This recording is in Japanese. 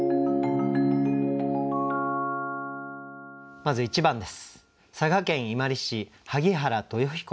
まず１番です。